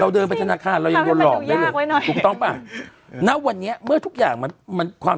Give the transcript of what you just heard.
เดินเข้าไปธนาคาร